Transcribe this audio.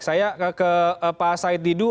saya ke pak said didu